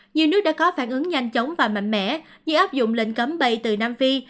nhiều nước đã có phản ứng nhanh chóng và mạnh mẽ như áp dụng lệnh cấm bay từ nam phi